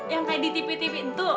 yang kayak di tv tv itu